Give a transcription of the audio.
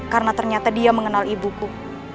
karena ternyata dia mengenal ibuku